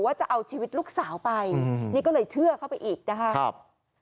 จะเอาชีวิตลูกสาวไปนี่ก็เลยเชื่อเข้าไปอีกนะครับ